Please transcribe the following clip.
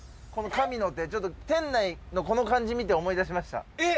この神の手ちょっと店内のこの感じ見て思い出しました。